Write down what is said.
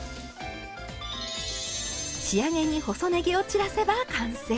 仕上げに細ねぎを散らせば完成。